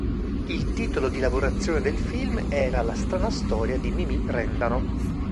Il titolo di lavorazione del film era "La strana storia di Mimì Rendano".